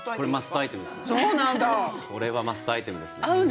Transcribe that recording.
これはマストアイテムです。